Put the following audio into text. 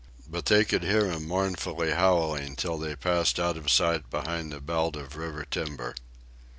But they could hear him mournfully howling till they passed out of sight behind a belt of river timber.